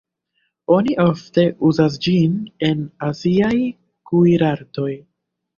Oni ofte uzas ĝin en aziaj kuir-artoj.